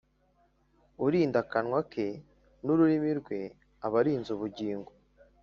Urinda akanwa ke n’ ururimi rwe aba arinze ubugingo